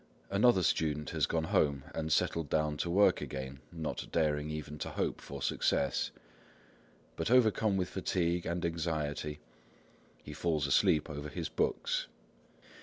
Another student has gone home, and settled down to work again, not daring even to hope for success; but overcome with fatigue and anxiety, he falls asleep over his books.